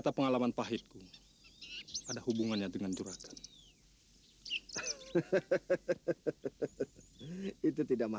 sampai jumpa di video selanjutnya